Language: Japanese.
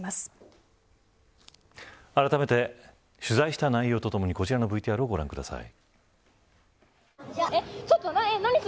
あらためて取材した内容とともにこちらのＶＴＲをご覧ください。